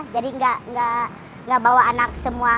jadi enggak bawa anak semua